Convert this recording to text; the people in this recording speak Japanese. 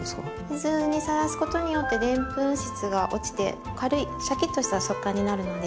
水にさらすことによってでんぷん質が落ちて軽いシャキッとした食感になるので。